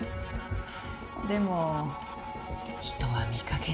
でも人は見かけによらない。